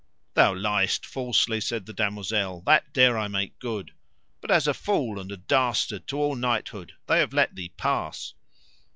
Thou liest falsely, said the damosel, that dare I make good, but as a fool and a dastard to all knighthood they have let thee pass.